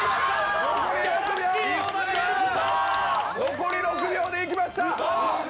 残り６秒でいきました！